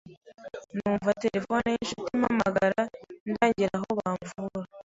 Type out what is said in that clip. numva telephone y’inshuti impamagara indangira aho bamvura